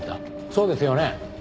そうですよね？